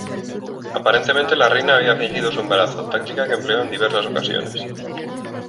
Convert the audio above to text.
Aparentemente la reina había fingido su embarazo, táctica que empleó en diversas ocasiones.